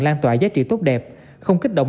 lan tỏa giá trị tốt đẹp không kích động